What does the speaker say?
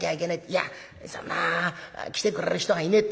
『いやそんな来てくれる人はいねえ』